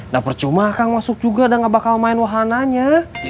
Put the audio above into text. gak percuma akang masuk juga dan gak bakal main wahananya